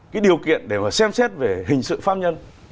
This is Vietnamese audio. cái điều kiện để mà xem xét về hình sự pháp nhân